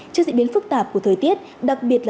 trước diễn biến phức tạp của thời tiết